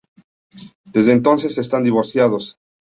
Desde entonces están divorciados.